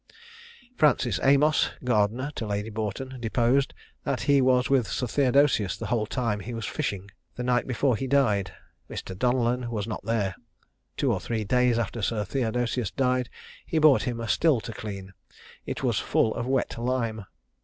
Francis Amos, gardener to Lady Boughton, deposed, that he was with Sir Theodosius the whole time he was fishing, the night before he died. Mr. Donellan was not there. Two or three days after Sir Theodosius died, he brought him a still to clean; it was full of wet lime.